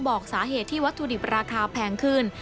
บอกสาเหตุที่วัตถุดิบราคาแพงขึ้น